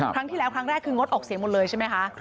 ครั้งที่แล้วครั้งแรกคืองดออกเสียงหมดเลยใช่ไหมคะ